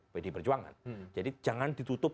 pdi perjuangan jadi jangan ditutup